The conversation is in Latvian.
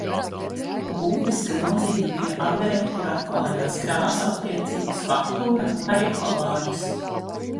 Būtiska nozīme bija apdarei, kur atklājās krāsu attiecības, faktūra, arī kolāžas.